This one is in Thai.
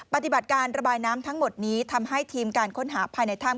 ปฏิบัติการระบายน้ำทั้งหมดนี้ทำให้ทีมการค้นหาภายในถ้ำ